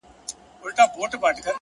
هوښیار فکر بې ځایه شخړې کموي